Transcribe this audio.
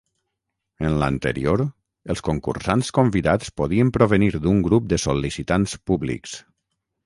En l'anterior, els concursants convidats podien provenir d'un grup de sol·licitants públics.